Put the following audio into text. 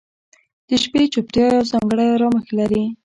• د شپې چوپتیا یو ځانګړی آرامښت لري.